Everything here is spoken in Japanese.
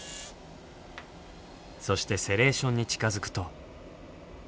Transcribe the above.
そしてセレーションに近づくと。